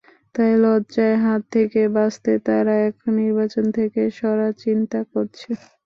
তাই লজ্জার হাত থেকে বাঁচতে তারা এখন নির্বাচন থেকে সরার চিন্তা করছে।